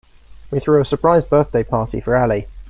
We threw a surprise birthday party for Ali.